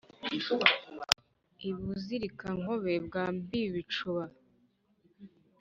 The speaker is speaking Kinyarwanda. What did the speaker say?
i buzirika-nkobe bwa mpibicuba,